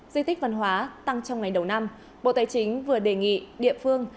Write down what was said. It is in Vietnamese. di tích văn hóa tăng trong ngày đầu năm bộ tài chính vừa đề nghị địa phương